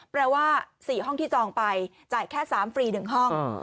แปลว่า๔ห้องที่จองไปจ่ายแค่๓ฟรี๑ห้อง